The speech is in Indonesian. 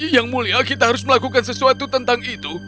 yang mulia kita harus melakukan sesuatu tentang itu